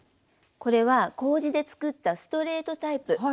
これはこうじで作ったストレートタイプ。